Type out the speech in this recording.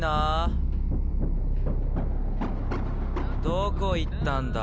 どこ行ったんだ？